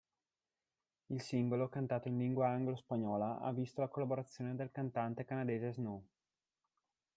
Il singolo, cantato in lingua anglo-spagnola, ha visto la collaborazione del cantante canadese Snow.